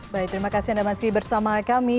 baik terima kasih anda masih bersama kami